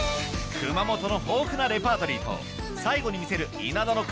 熊元の豊富なレパートリーと最後に見せる稲田の顔